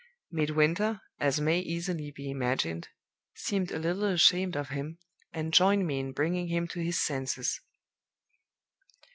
Midwinter (as may easily be imagined) seemed a little ashamed of him, and joined me in bringing him to his senses.